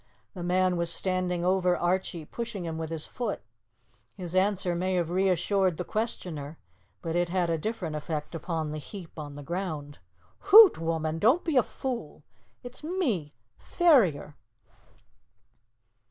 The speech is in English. The man was standing over Archie, pushing him with his foot. His answer may have reassured the questioner, but it had a different effect upon the heap on the ground. "Hoot, woman! don't be a fool! It's me Ferrier!"